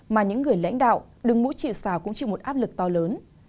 mà những người lãnh đạo đừng mũi chịu xào cũng chịu một áp lực to lớn